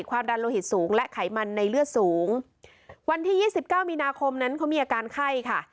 ความดันโลหิตสูงและไขมันในเลือดสูงวันที่ยี่สิบเก้ามีนาคมนั้นเขามีอาการไข้ค่ะ